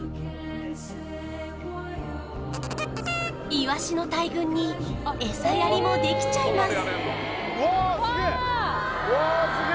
イワシの大群に餌やりもできちゃいます！